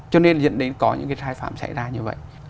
cho nên dẫn đến có những cái sai phạm xảy ra như vậy